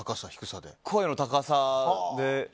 声の高さで。